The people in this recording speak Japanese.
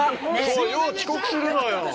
そうよう遅刻するのよ。